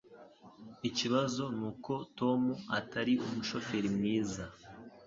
Ikibazo nuko Tom atari umushoferi mwiza